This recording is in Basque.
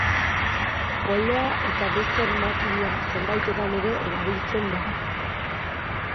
Polea eta beste makina zenbaitetan ere erabiltzen da.